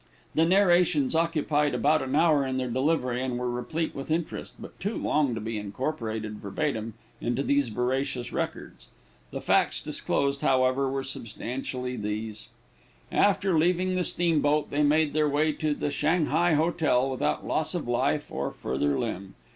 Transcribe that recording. The narrations occupied about an hour in their delivery, and were replete with interest, but too long to be incorporated verbatim into these veracious records. The facts disclosed, however, were substantially these: After leaving the steamboat, they made their way to the Shanghae Hotel, without loss of life or further limb.